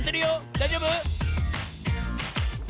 だいじょうぶ？